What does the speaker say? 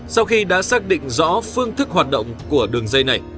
sau khi đã xác định rõ phương thức hoạt động của đường dây này